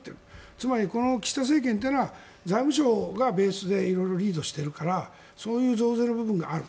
つまりこの岸田政権というのは財務省がベースで色々リードしているからそういう増税の部分がある。